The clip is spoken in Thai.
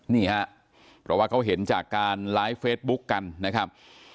นี่ฮะเพราะว่าเขาเห็นจากการไลฟ์เฟซบุ๊คกันนะครับ